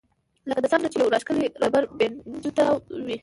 لکه د سر نه چې يو راښکلی ربر بېنډ تاو وي